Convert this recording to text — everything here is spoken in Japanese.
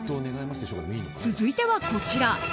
続いてはこちら。